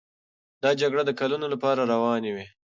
دا جګړې د کلونو لپاره روانې وې.